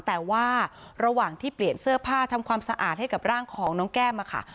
แต่ว่าระหว่างที่เปลี่ยนเสื้อผ้าทำความสะอาดให้กับร่างของน้องแก้มค่ะ